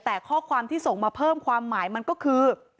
แต่ข้อความที่ส่งมาเพิ่มความหมายมันก็คือ